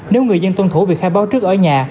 nếu người dân tuân thủ việc khai báo trước ở nhà